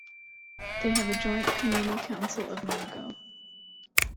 They have a joint Communal Council of Monaco.